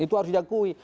itu harus diakui